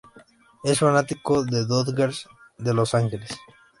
Es fanático de los Dodgers de Los Ángeles.